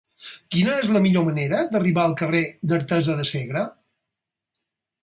Quina és la millor manera d'arribar al carrer d'Artesa de Segre?